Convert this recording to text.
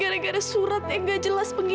saya seperti patung tembaku